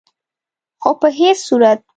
خو په هيڅ صورت